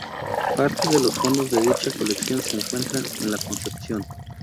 Parte de los fondos de dicha colección se encuentran en la Concepción.